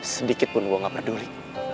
sedikit pun gue gak peduli